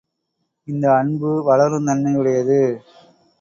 இந்த அன்பு வளருந்தன்மையுடையது.